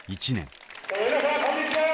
皆さんこんにちは。